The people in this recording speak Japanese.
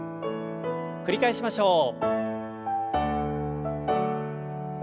繰り返しましょう。